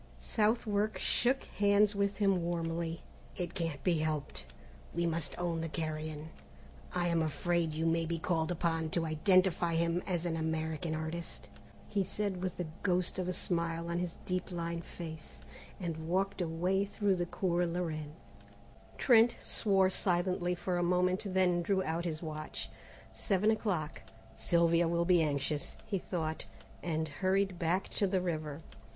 Southwark shook hands with him warmly. "It can't be helped, we must own the carrion. I am afraid you may be called upon to identify him as an American artist," he said with a ghost of a smile on his deep lined face; and walked away through the Cours la Reine. Trent swore silently for a moment and then drew out his watch. Seven o'clock. "Sylvia will be anxious," he thought, and hurried back to the river.